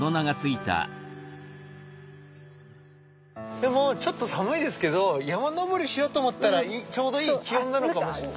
でもちょっと寒いですけど山登りしようと思ったらちょうどいい気温なのかもしれない。